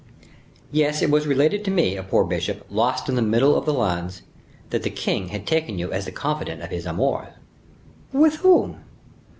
"Yes, it was related to me, a poor bishop, lost in the middle of the Landes, that the king had taken you as the confidant of his amours." "With whom?"